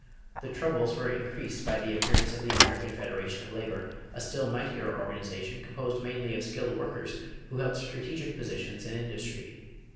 The troubles were increased by the appearance of the American Federation of Labor, a still mightier organization composed mainly of skilled workers who held strategic positions in industry.